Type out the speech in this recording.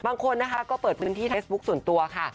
บางคนนะคะก็เปิดพื้นที่เฟซบุ๊คส่วนตัวค่ะ